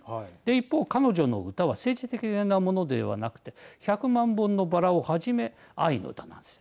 一方、彼女の歌は政治的なものではなくて百万本のバラをはじめ愛の歌なんです。